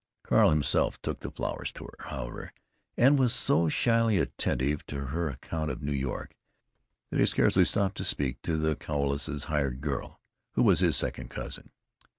Carl himself took the flowers to her, however, and was so shyly attentive to her account of New York that he scarcely stopped to speak to the Cowleses' "hired girl," who was his second cousin....